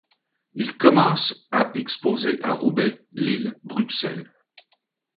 Il commence à exposer à Roubaix, Lille, Bruxelles.